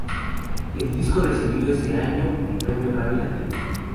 El disco recibió ese año el premio Grammy latino.